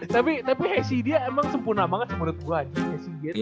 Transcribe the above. tapi tapi hesi dia emang sempurna banget menurut gua anjing